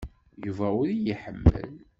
Yuba ur iyi-iḥemmel.